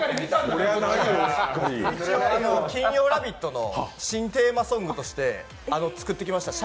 金曜「ラヴィット！」の新テーマソングとして作ってきました。